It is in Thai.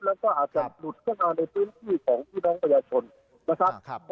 แล้วก็จะมีอุทยานแห่งภาพภูเวียนด้วยครับ